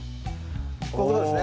こういうことですね？